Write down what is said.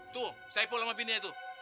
tuh saya pun sama bininya tuh